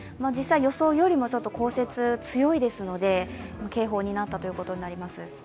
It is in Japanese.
実際予想よりも降雪が強いですので、警報になったということです。